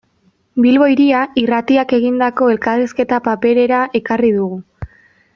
Bilbo Hiria Irratiak egindako elkarrizketa paperera ekarri dugu.